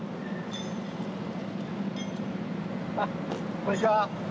こんにちは。